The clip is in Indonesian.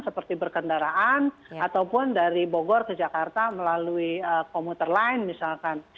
seperti berkendaraan ataupun dari bogor ke jakarta melalui komuter lain misalkan